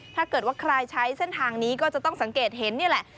ถ้าเกิดว่าใครใช้เส้นทางนี้ก็จะต้องสังเกตเห็นนี่แหละ